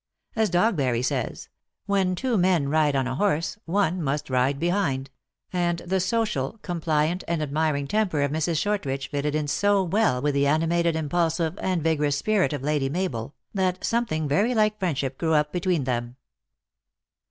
As Dogberry says, " when two men ride oii horse, one must ride behind," and the social, compliant and admiring temper of Mrs. Shortridge fitted in so well with the animated, impul sive, and vigorous spirit of Lady Mabel, that some thing very like friendship grew up between them.